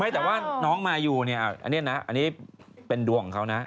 แต่ว่าน้องมายูเนี่ยอันนี้นะอันนี้เป็นดวงของเขานะ